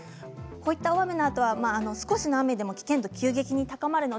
大雨のあとは少しの雨でも危険度が急激に高まります。